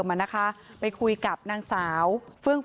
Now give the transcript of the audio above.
เพราะไม่เคยถามลูกสาวนะว่าไปทำธุรกิจแบบไหนอะไรยังไง